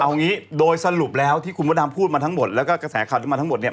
เอางี้โดยสรุปแล้วที่คุณมดดำพูดมาทั้งหมดแล้วก็กระแสข่าวที่มาทั้งหมดเนี่ย